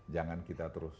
jangan kita terus